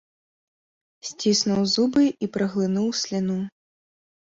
Сціснуў зубы і праглынуў сліну.